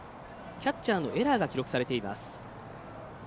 キャッチャーのエラーが記録されています。